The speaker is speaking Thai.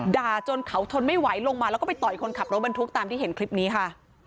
จนเขาทนไม่ไหวลงมาแล้วก็ไปต่อยคนขับรถบรรทุกตามที่เห็นคลิปนี้ค่ะ